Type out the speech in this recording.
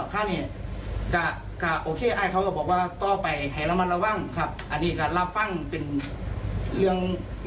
ใจใครในตัวมุม